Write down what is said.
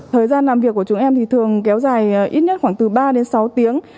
thời gian làm việc của chúng em thì thường kéo dài ít nhất khoảng từ ba đến sáu tiếng